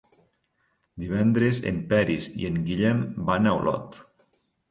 Divendres en Peris i en Guillem van a Olot.